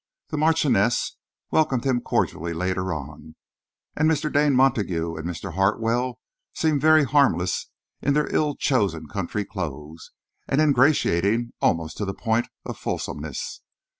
The Marchioness welcomed him cordially, later on, and Mr. Dane Montague and Mr. Hartwell seemed very harmless in their ill chosen country clothes, and ingratiating almost to the point of fulsomeness.